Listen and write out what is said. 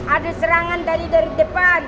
ada serangan dari depan